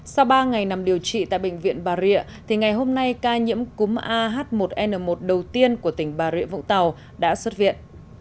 sau ba ngày nằm điều trị tại bệnh viện bà rịa thì ngày hôm nay ca nhiễm cúm ah một n một đầu tiên của tỉnh bà rịa vũng tàu đã xuất viện